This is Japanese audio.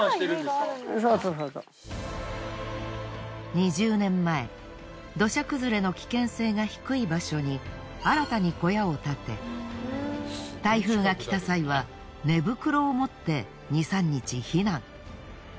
２０年前土砂崩れの危険性が低い場所に新たに小屋を建て台風が来た際は寝袋を持って２３日避難。